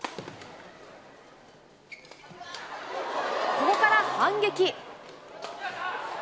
ここから反撃。